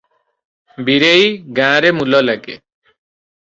ବୀରେଇ ଗାଁରେ ମୂଲ ଲାଗେ ।